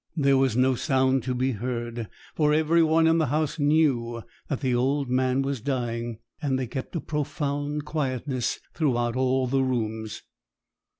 There was no sound to be heard, for every one in the house knew that the old man was dying, and they kept a profound quietness throughout all the rooms.